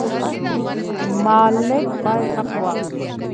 مالک باید حق واخلي.